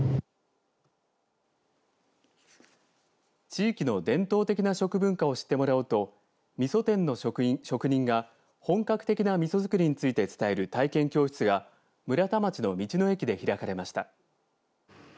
地域の伝統的な食文化を知ってもらおうとみそ店の職人が本格的なみそ造りについて伝える体験教室が村田町の道の駅で開かれました。